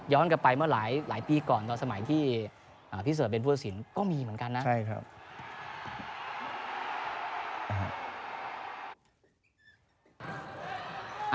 ย้อนกลับไปเมื่อหลายปีก่อนตอนสมัยที่พี่เสือบเป็นผู้สินก็มีเหมือนกันนะ